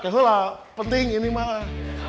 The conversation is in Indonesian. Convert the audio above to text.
kehulah penting ini banget